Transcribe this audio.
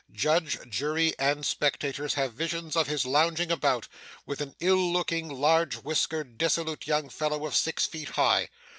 Judge, jury and spectators have visions of his lounging about, with an ill looking, large whiskered, dissolute young fellow of six feet high.